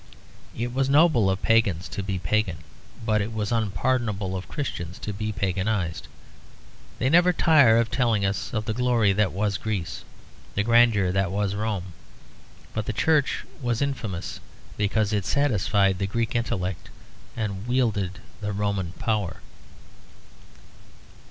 It was noble of pagans to be pagan, but it was unpardonable of Christians to be paganised. They never tire of telling us of the glory that was Greece, the grandeur that was Rome, but the Church was infamous because it satisfied the Greek intellect and wielded the Roman power.